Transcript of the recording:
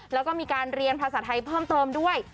แล้วก็มีการเรียนภาษาไทยเพิ่มเติมด้วย